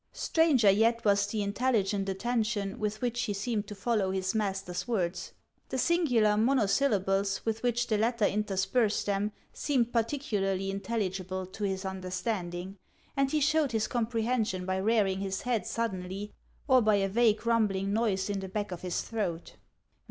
Stranger yet was the intelligent attention with which he seemed to follow his master's words. The singular mono syllables with which the latter interspersed them seemed particularly intelligible to his understanding ; and he showed his comprehension by rearing his head sud denly, or by a vague rumbling noise in the back of his throat.